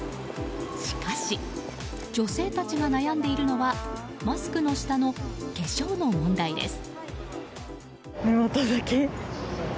しかし女性たちが悩んでいるのはマスクの下の化粧の問題です。